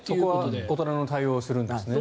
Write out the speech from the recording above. そこは大人の対応をするんですねと。